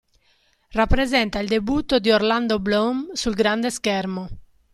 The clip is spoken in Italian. Rappresenta il debutto di Orlando Bloom sul grande schermo.